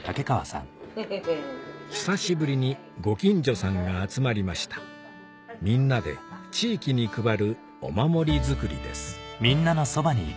久しぶりにご近所さんが集まりましたみんなで地域に配るお守り作りです